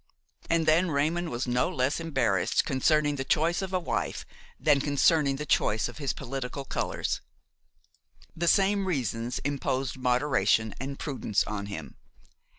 And then Raymon was no less embarrassed concerning the choice of a wife than concerning the choice of his political colors. The same reasons imposed moderation and prudence on him.